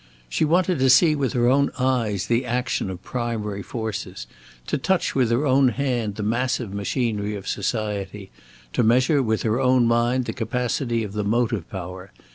She wanted to see with her own eyes the action of primary forces; to touch with her own hand the massive machinery of society; to measure with her own mind the capacity of the motive power.